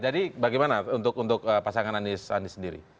jadi bagaimana untuk pasangan anies sendiri